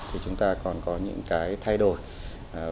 thì chúng ta còn có những cái thay đổi và trong dự thảo liên quan đến